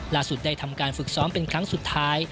ได้ทำการฝึกซ้อมเป็นครั้งสุดท้าย